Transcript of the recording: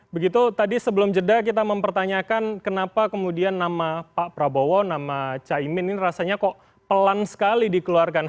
begitu tadi sebelum jeda kita mempertanyakan kenapa kemudian nama pak prabowo nama caimin ini rasanya kok pelan sekali dikeluarkan